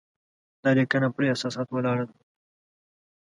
دا لیکنه پر احساساتو ولاړه ده.